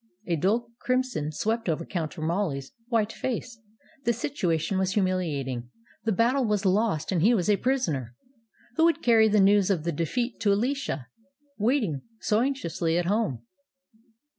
A dull crimson swept over Count Romoli 's white face. The situation was humiliating. The battle was lost and he was a prisoner. Who would carry the news of the defeat to Alicia, waiting so anxiously at home?